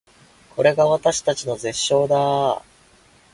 これが私たちの絶唱だー